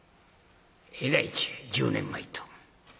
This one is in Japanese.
えらい違い１０年前と。